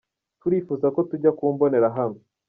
“Turifuza ko tujya ku mbonerahamwe.